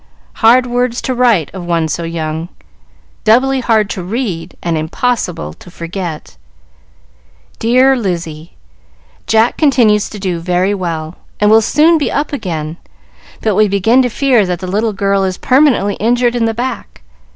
Hard words to write of one so young, doubly hard to read, and impossible to forget. "Dear Lizzie, Jack continues to do very well, and will soon be up again. But we begin to fear that the little girl is permanently injured in the back.